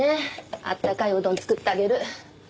あったかいおうどん作ってあげる。